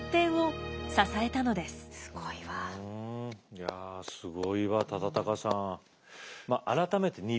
いやすごいわ忠敬さん。